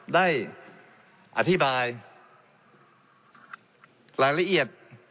ได้อธิบายรายละเอียด